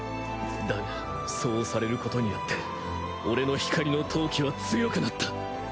だがそうされることによって俺の光の闘気は強くなった。